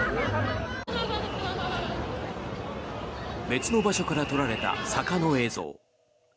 別の場所から撮られた坂の映像。